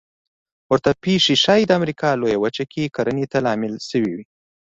ورته پېښې ښایي د امریکا لویه وچه کې کرنې ته لامل شوې وي